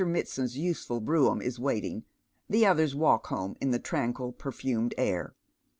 Mitsand's useful brougham is waiting, thf others walk home in the tranquil perfumed air.